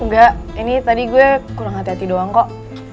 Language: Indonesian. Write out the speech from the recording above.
enggak ini tadi gue kurang hati hati doang kok